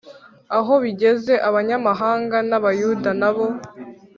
Aho bigeze abanyamahanga n Abayuda na bo